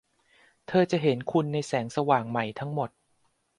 เธอจะเห็นคุณในแสงสว่างใหม่ทั้งหมด